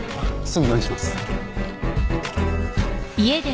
すぐ用意します。